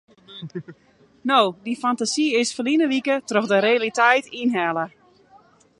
No, dy fantasy is ferline wike troch de realiteit ynhelle.